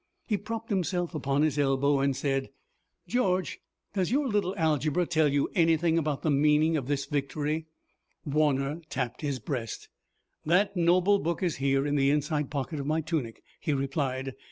He propped himself upon his elbow and said: "George, does your little algebra tell you anything about the meaning of this victory?" Warner tapped his breast. "That noble book is here in the inside pocket of my tunic," he replied.